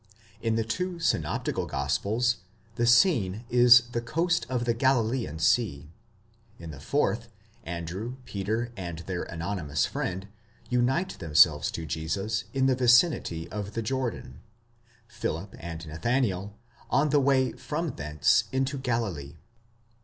In the two synoptical gospels, the scene is the coast of the Galilean sea: in the fourth, Andrew, Peter, and their anonymous friend, unite themselves to Jesus in the vicinity of the Jordan; Philip and Nathanael, on the way from thence into Galilee.